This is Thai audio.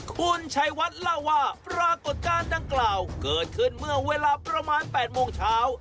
คุณชัยวัดเล่าว่าปรากฏการณ์ดังกล่าวเกิดขึ้นเมื่อเวลาประมาณ๘โมงเช้า